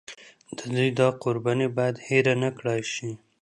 د دوی دا قرباني باید هېره نکړای شي.